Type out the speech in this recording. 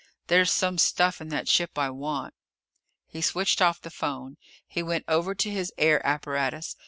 There's some stuff in that ship I want." He switched off the phone. He went over to his air apparatus.